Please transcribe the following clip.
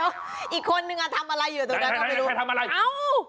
เดี๋ยวอีกคนนึงทำอะไรอยู่